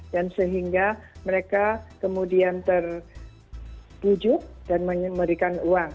dan sehingga mereka kemudian terwujud dan memberikan uang